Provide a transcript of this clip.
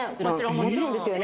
もちろんですよね？